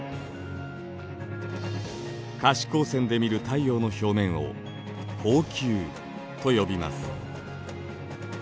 可視光線で見る太陽の表面を光球と呼びます。